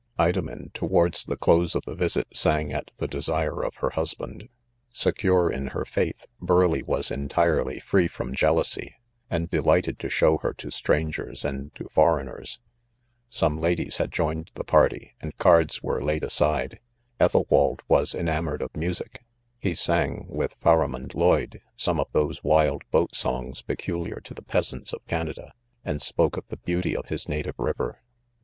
Idomen, towards the close of the visit, sang at the desire of her husband. Secure in her faith, Burleigh was entirely free from jealousy, and delighted to show her to strangers and to foreigners. Some ladies had joined the party, and cards were laid aside* Ethelwald was enamoured of music ; he sang, with Pharamond Lioyde, some of those wild boat songs peculiar to the peasants of Canada, and spoke of the beauty of his native rives.